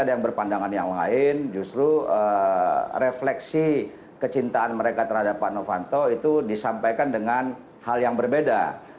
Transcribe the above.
ada yang berpandangan yang lain justru refleksi kecintaan mereka terhadap pak novanto itu disampaikan dengan hal yang berbeda